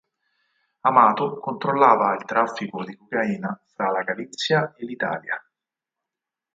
Amato controllava il traffico di cocaina fra la Galizia e l’Italia.